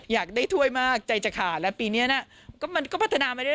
อยากได้ถ้วยมากใจจะขาดแล้วปีนี้นะมันก็พัฒนาไม่ได้